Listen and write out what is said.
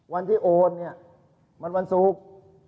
วันที่โอนเนี่ยมันวันศุกร์